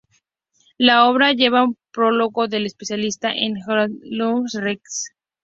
La obra lleva un prólogo del especialista en el holocausto Laurence Rees.